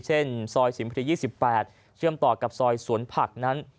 ซอยสิมพรี๒๘เชื่อมต่อกับซอยสวนผักนั้น